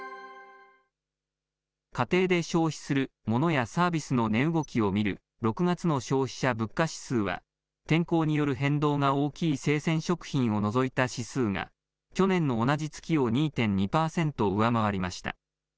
家庭で消費するモノやサービスの値動きを見る６月の消費者物価指数は、天候による変動が大きい生鮮食品を除いた指数が、去年の同じ月を２．２％上回りました。